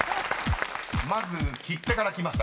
［まず「切手」からきました。